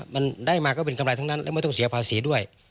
มันได้มาก็เป็นกำไรทั้งนั้นและไม่ต้องเสียภาษีด้วย